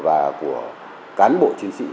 và của cán bộ chiến sĩ